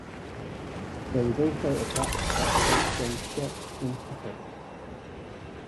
There is also a plaque at Saint John's Church in Hafod.